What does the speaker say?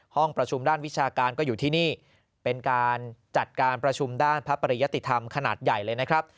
ห้องประชุมด้านวิชาการก็อยู่ที่นี่เป็นการจัดการประชุมด้านพระปริยติธรรมขนาดใหญ่เลยนะครับ